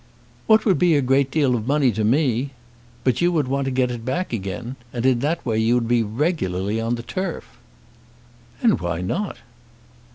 "What would be a great deal of money to me. But you would want to get it back again. And in that way you would be regularly on the turf." "And why not?"